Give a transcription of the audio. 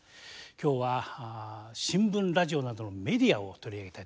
今日は新聞ラジオなどのメディアを取り上げたいと思います。